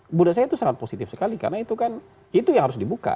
menurut saya itu sangat positif sekali karena itu kan itu yang harus dibuka